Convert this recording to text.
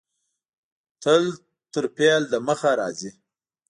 تل تر فعل د مخه راځي.